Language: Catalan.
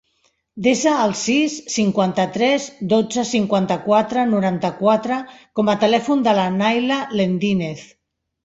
Desa el sis, cinquanta-tres, dotze, cinquanta-quatre, noranta-quatre com a telèfon de la Nayla Lendinez.